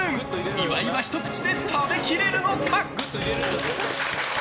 岩井はひと口で食べ切れるのか？